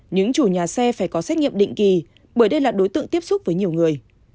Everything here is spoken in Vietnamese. những chủ nhà xe phải có xét nghiệm định kỳ bởi đây là đối tượng tiếp xúc với nhiều người